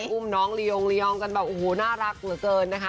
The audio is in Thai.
อุ้มน้องลียงลียองกันแบบโอ้โหน่ารักเหลือเกินนะคะ